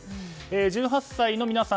１８歳の皆さん